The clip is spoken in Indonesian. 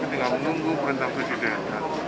tapi tinggal menunggu perintah presiden